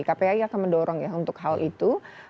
kpai akan mendorong ya untuk hal itu